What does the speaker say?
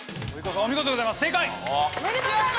お見事でございます正解！